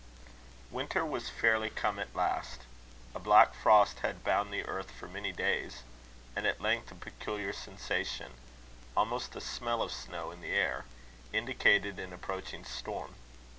Winter was fairly come at last. A black frost had bound the earth for many days; and at length a peculiar sensation, almost a smell of snow in the air, indicated an approaching storm.